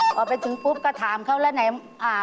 ออกไปถึงปุ๊บก็ถามเขาแล้วนะ